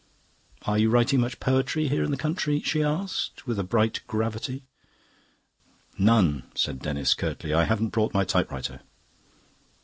"Are you writing much poetry here in the country?" she asked, with a bright gravity. "None," said Denis curtly. "I haven't brought my typewriter."